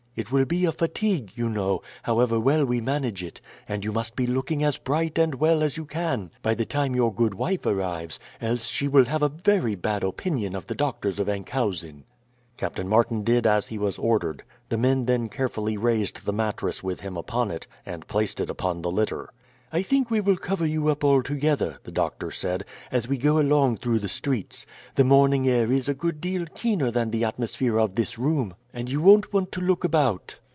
It will be a fatigue, you know, however well we manage it; and you must be looking as bright and well as you can by the time your good wife arrives, else she will have a very bad opinion of the doctors of Enkhuizen." Captain Martin did as he was ordered. The men then carefully raised the mattress with him upon it, and placed it upon the litter. "I think we will cover you up altogether," the doctor said, "as we go along through the streets. The morning air is a good deal keener than the atmosphere of this room, and you won't want to look about."